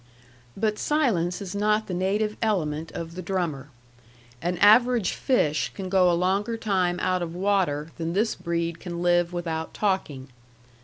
But silence is not the native element of the drummer. An average fish can go a longer time out of water than this breed can live without talking.